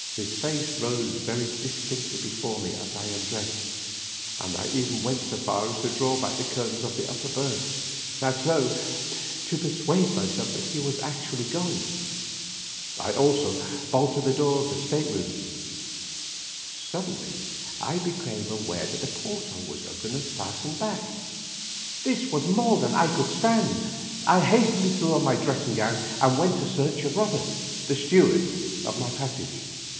His face rose very distinctly before me as I undressed, and I even went so far as to draw back the curtains of the upper berth, as though to persuade myself that he was actu ally gone. I also bolted the door of the state room. Suddenly I became aware that the port hole was open, and fastened back. This was more than I could stand. I hastily threw on my dressing gown and went in search of Eobert, the steward of my passage.